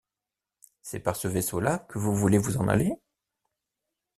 C’est par ce vaisseau-là que vous voulez vous en aller?